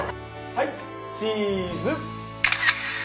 ・はいチーズ